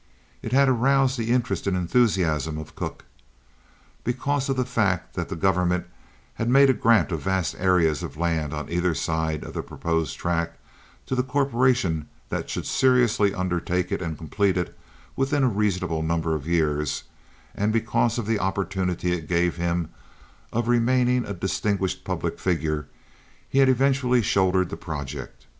It had aroused the interest and enthusiasm of Cooke. Because of the fact that the government had made a grant of vast areas of land on either side of the proposed track to the corporation that should seriously undertake it and complete it within a reasonable number of years, and because of the opportunity it gave him of remaining a distinguished public figure, he had eventually shouldered the project.